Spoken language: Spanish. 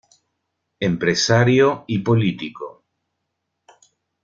Empresario y político.